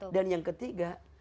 dan yang ketiga